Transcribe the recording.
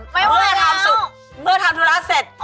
เมื่อจะทำสุขเมื่อทำธุระเสร็จ